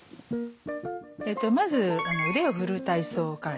まず腕をふる体操からですね。